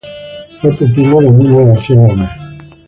Fue pupilo de Emilio García Gómez.